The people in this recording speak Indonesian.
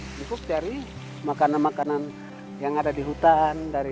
kita ikut cari makanan makanan yang ada di hutan